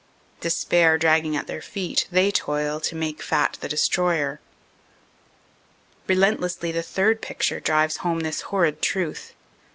Despair dragging at their feet, they toil to make fat the destroyer. Relentlessly the third picture drives home this horrid truth.